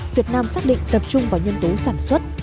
việt nam xác định tập trung vào nhân tố sản xuất